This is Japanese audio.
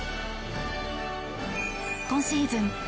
今シーズン